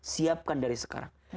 siapkan dari sekarang